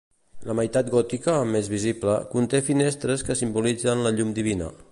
La meitat gòtica, més visible, conté finestres que simbolitzen la llum divina.